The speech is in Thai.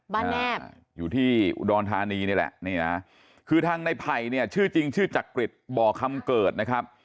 แนบอยู่ที่อุดรธานีนี่แหละนี่นะคือทางในไผ่เนี่ยชื่อจริงชื่อจักริตบ่อคำเกิดนะครับ